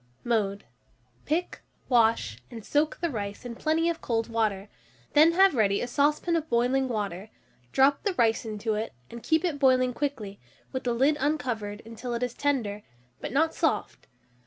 Mode. Pick, wash, and soak the rice in plenty of cold water; then have ready a saucepan of boiling water, drop the rice into it, and keep it boiling quickly, with the lid uncovered, until it is tender, but not soft.